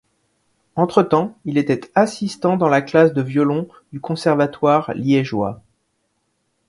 Entretemps, il était assistant dans la classe de violon du conservatoire liègois.